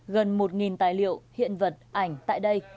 gần một tài liệu hiện vật ảnh tại đây